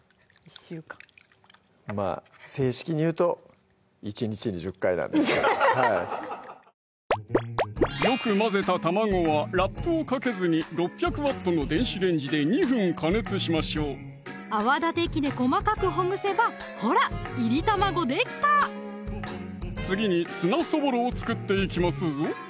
１週間まぁ正式にいうと１日に１０回なんですけどよく混ぜた卵はラップをかけずに６００Ｗの電子レンジで２分加熱しましょう泡立て器で細かくほぐせばほらいり卵できた次にツナそぼろを作っていきますぞ